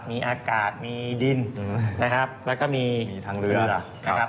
มีอากาศมีดินแล้วก็มีทางเลือด